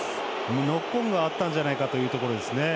ノックオンがあったんじゃないかというところですね。